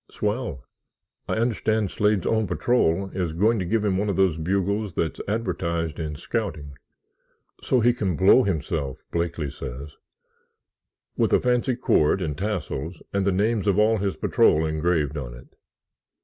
"Swell. I understand Slade's own patrol is going to give him one of those bugles that's advertised in Scouting—so he can blow himself, Blakeley says—with a fancy cord and tassels and the names of all his patrol engraved on it.